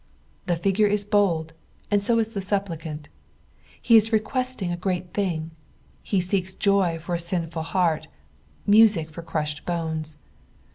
The figure is bold, and so is the supplicant. He is requesting a grest thing; he seeks joy for a sin/u! heart, music for crushed bones.